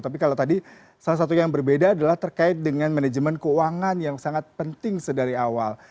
tapi kalau tadi salah satu yang berbeda adalah terkait dengan manajemen keuangan yang sangat penting sedari awal